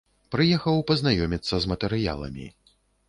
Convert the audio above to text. Прыехаў пазнаёміцца з матэрыяламі.